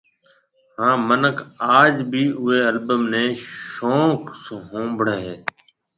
ھان منک آج بِي اوئي البم ني شوق ھونۿڻي ھيَََ